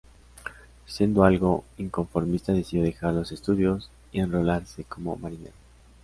Siendo algo inconformista decidió dejar los estudios y enrolarse como marinero.